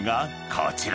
こちら。